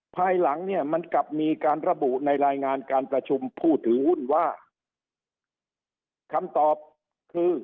ภายหลังเนี่ยมันกลับมีการระบุในรายงานการประชุมผู้ถือหุ้นว่าคำตอบคือ